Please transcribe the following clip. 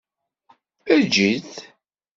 Eǧǧ-it.